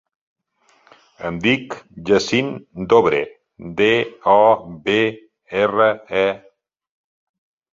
Em dic Yassin Dobre: de, o, be, erra, e.